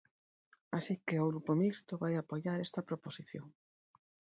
Así que o Grupo Mixto vai apoiar esta proposición.